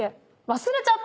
忘れちゃった！